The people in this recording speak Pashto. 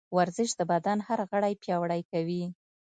ورزش د بدن هر غړی پیاوړی کوي.